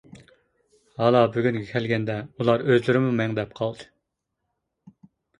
ھالا بۈگۈنگە كەلگەندە، ئۇلار ئۆزلىرىمۇ مەڭدەپ قالدى.